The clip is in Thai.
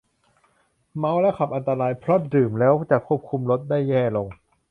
เมาแล้วขับอันตรายเพราะดื่มแล้วขับจะคุมรถได้แย่ลง